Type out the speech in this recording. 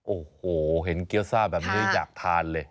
โอ้โหเห็นเกี้ยวซ่าแบบนี้อยากทานเลย